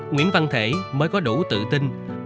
nguyễn văn thể mới có đủ tự tin